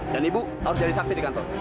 dan ibu harus jadi saksi di kantor